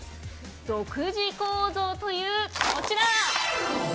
独自構造というこちら。